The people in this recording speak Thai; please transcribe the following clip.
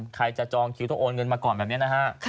ใครจะจองคิวต้องโอนเงินมาก่อนแบบนี้นะฮะ